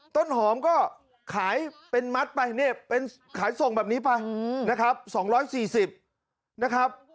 ต้นหอมก็ขายเป็นมัดไปนี่เป็นขายส่งแบบนี้ไปนะครับ๒๔๐นะครับ